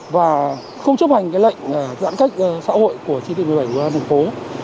và không chấp hành lệnh giãn cách xã hội của chỉ thị một mươi bảy của thành phố